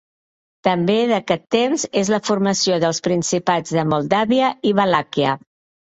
També d'aquest temps és la formació dels principats de Moldàvia i Valàquia.